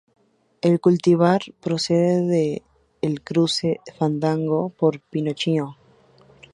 El cultivar procede del cruce de 'Fandango' x 'Pinocchio'.